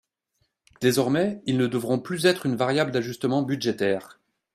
Désormais, ils ne devront plus être une variable d’ajustement budgétaire.